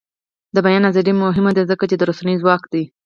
د بیان ازادي مهمه ده ځکه چې د رسنیو ځواک دی.